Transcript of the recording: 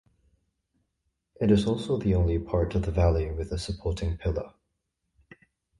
It is also the only part of the Valley with a supporting pillar.